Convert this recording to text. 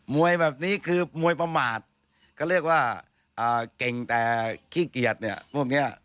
วยแบบนี้คือมวยประมาทก็เรียกว่าเก่งแต่ขี้เกียจเนี่ยพวกนี้